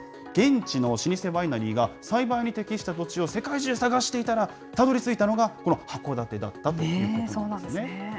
現地の老舗ワイナリーが、栽培に適した土地を世界中探していたら、たどりついたのが、この函館だったということなんですね。